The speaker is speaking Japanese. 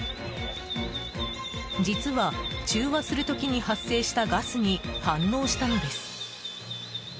実は、中和する時に発生したガスに反応したのです。